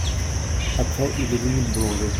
Après, il est venu le boulanger.